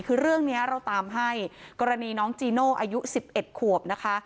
คือเรื่องนี้เราตามให้กรณีน้องจีโน่อายุ๑๑ขวบนะคะ